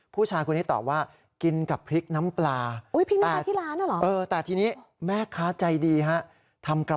ผู้ชายคนนี้ตอบว่ากินกับพริกน้ำปลา